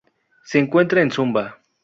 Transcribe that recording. Se encuentra en Sumba.